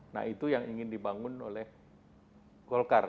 nah itu yang ingin dibangun oleh golkar